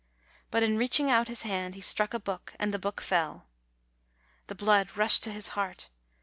But in reaching out his hand he struck a book, and the book fell. The blood rushed to his heart.